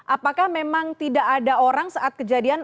apakah memang tidak ada orang saat kejadian